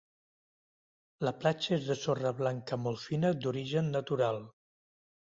La platja és de sorra blanca molt fina d'origen natural.